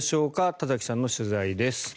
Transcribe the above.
田崎さんの取材です。